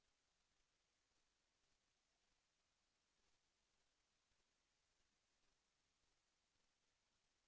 แสวได้ไงของเราก็เชียนนักอยู่ค่ะเป็นผู้ร่วมงานที่ดีมาก